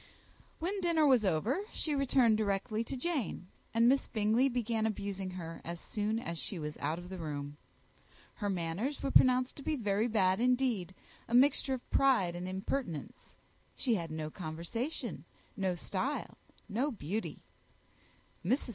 When dinner was over, she returned directly to Jane, and Miss Bingley began abusing her as soon as she was out of the room. Her manners were pronounced to be very bad indeed, a mixture of pride and impertinence: she had no conversation, no style, no taste, no beauty. Mrs.